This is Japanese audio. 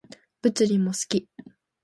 物理も好き